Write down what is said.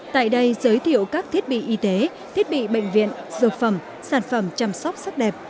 tại đây giới thiệu các thiết bị y tế thiết bị bệnh viện dược phẩm sản phẩm chăm sóc sắc đẹp